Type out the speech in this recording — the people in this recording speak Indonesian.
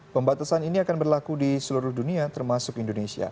pembatasan ini akan berlaku di seluruh dunia termasuk indonesia